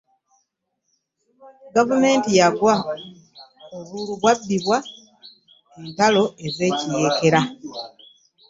Gavumenti zaggwa, obululu bwabbibwa, entalo ez'ekiyeekera